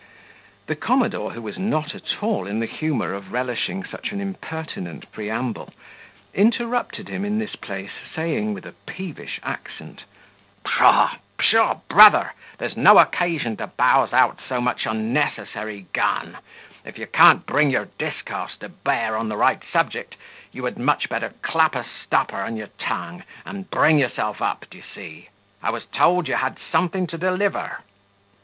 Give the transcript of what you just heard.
The commodore, who was not at all in the humour of relishing such an impertinent preamble, interrupted him in this place, saying, with a peevish accent, "Pshaw! pshaw! brother, there's no occasion to bowse out so much unnecessary gun; if you can't bring your discourse to bear on the right subject, you had much better clap a stopper on your tongue, and bring yourself up, d'ye see; I was told you had something to deliver."